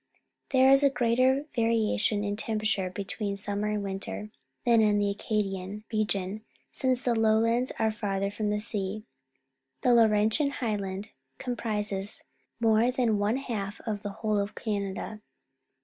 There is a greater variation in temperature between sum mer and winter than in the Acadian Region, since the Lowlands are farther from the sea. The Laurentian Highland comprises more than one half of the whole of Canada.